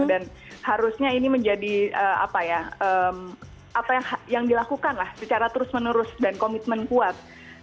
dan harusnya ini menjadi apa ya apa yang dilakukan lah secara terus menerus dan komitmen kuat